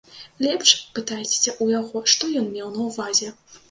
Лепш пытайцеся ў яго, што ён меў на ўвазе.